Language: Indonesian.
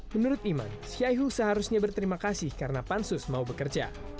menurut iman syahihu seharusnya berterima kasih karena pansus mau bekerja